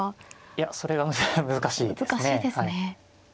いやそれが難しいですね。